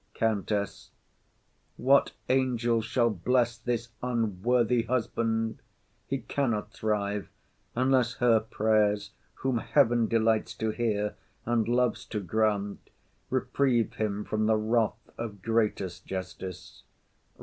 COUNTESS. What angel shall Bless this unworthy husband? He cannot thrive, Unless her prayers, whom heaven delights to hear And loves to grant, reprieve him from the wrath Of greatest justice.